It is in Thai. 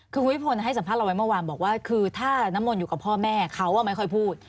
คือคุณวิพลให้สัมภาษณ์ไว้เมื่อวานบอกว่าคือถ้าน้ำมนต์อยู่กับพ่อแม่เขาไม่ค่อยพูด